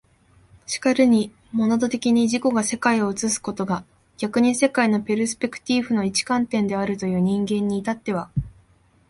然るにモナド的に自己が世界を映すことが逆に世界のペルスペクティーフの一観点であるという人間に至っては、